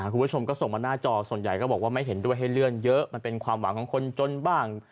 คุณผู้ชมก็ส่งมาหน้าจอส่วนใหญ่ก็บอกว่าไม่เห็นด้วยให้เลื่อนเยอะมันเป็นความหวังของคนจนบ้าง